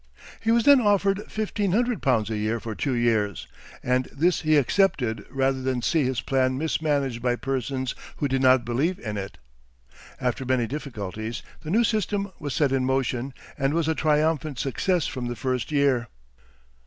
He was then offered fifteen hundred pounds a year for two years, and this he accepted rather than see his plan mismanaged by persons who did not believe in it. After many difficulties, the new system was set in motion, and was a triumphant success from the first year.